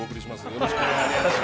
よろしくお願いします。